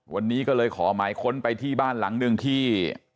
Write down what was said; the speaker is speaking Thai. วันนี้ก็เลยขอหมายค้นไปที่บ้านหลังหนึ่งที่